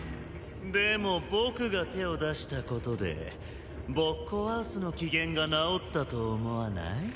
でも僕が手を出したことでボッコワウスの機嫌が直ったと思わない？